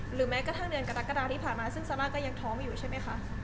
แม้กระทั่งเดือนกรกฎาที่ผ่านมาซึ่งซาร่าก็ยังท้องอยู่ใช่ไหมคะ